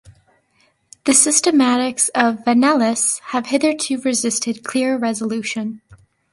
The systematics of "Vanellus" have hitherto resisted clear resolution.